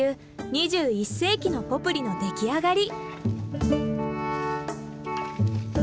２１世紀のポプリの出来上がり。